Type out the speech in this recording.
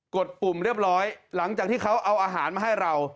ดปุ่มเรียบร้อยหลังจากที่เขาเอาอาหารมาให้เรา